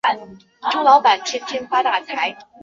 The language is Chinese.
粤语新闻连财经和天气报告为时约一小时。